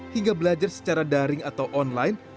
hingga belajar secara daring atau online